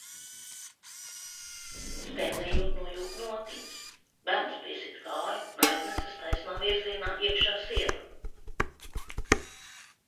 Spēlējot nojūk notiņas, bērns piesit kāju un aiznesas taisnā virzienā iekšā sienā...